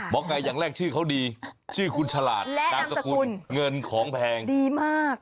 ไก่อย่างแรกชื่อเขาดีชื่อคุณฉลาดนามสกุลเงินของแพงดีมาก